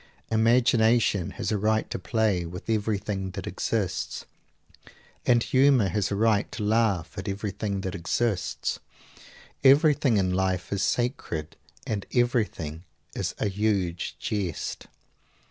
Imagination has a right to play with everything that exists; and humor has a right to laugh at everything that exists. Everything in life is sacred and everything is a huge jest.